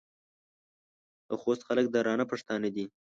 د خوست خلک درانه پښتانه دي.